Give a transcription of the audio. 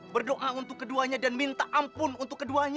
berdoa untuk keduanya dan minta ampun untuk keduanya